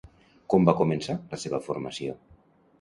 Com va començar la seva formació?